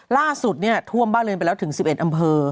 ล่าสุดเนี่ยท่วมบ้านเรือนไปแล้วถึง๑๑อำเภอ